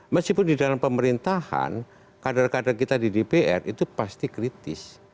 meskipun di dalam pemerintahan kader kader kita di dpr itu pasti kritis